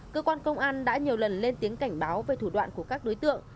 cơ quan công an đã nhiều lần lên tiếng cảnh báo về thủ đoạn của các đối tượng